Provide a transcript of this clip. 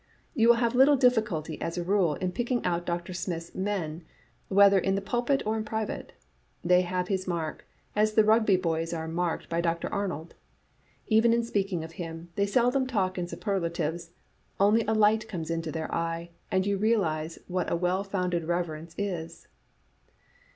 You will have little difficulty, as a rule, in picking out Dr. Smith's men, whether in the pulpit or in private. They have his mark, as the Rugby boys were marked by Dr. Arnold. Even in speaking of him, they seldom talk in superlatives: only a light comes into their eye, and you realize what a well founded reverence is."